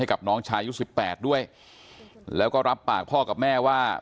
กับน้องชายุดสิบแปดด้วยแล้วก็รับปากพ่อกับแม่ว่า